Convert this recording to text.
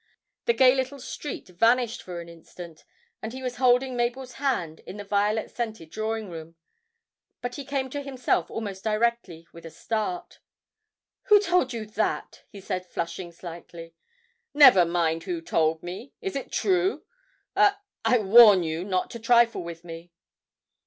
The gay little street vanished for an instant, and he was holding Mabel's hand in the violet scented drawing room, but he came to himself almost directly with a start. 'Who told you that?' he said, flushing slightly. 'Never mind who told me. Is it true? I I warn you not to trifle with me.'